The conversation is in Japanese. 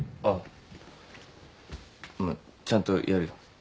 あっまあちゃんとやるよ。